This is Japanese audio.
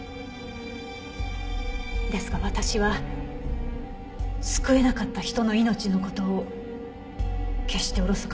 ですが私は救えなかった人の命の事を決しておろそかに出来ません。